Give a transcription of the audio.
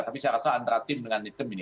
tapi saya rasa antara tim dengan tim ini